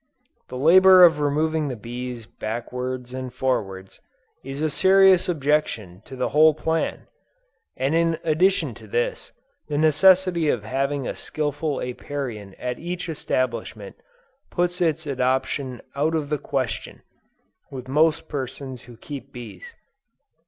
The labor of removing the bees backwards and forwards, is a serious objection to the whole plan; and in addition to this, the necessity of having a skillful Apiarian at each establishment, puts its adoption out of the question, with most persons who keep bees.